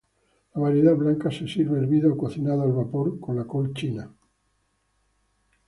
La variedad blanca se sirve hervida o cocinada al vapor con la col china.